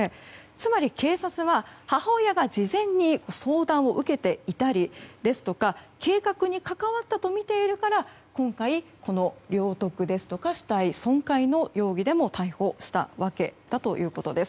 つまり警察は母親が事前に相談を受けていたりですとか計画に関わったとみているから今回、この領得ですとか死体損壊の容疑でも逮捕したわけだということです。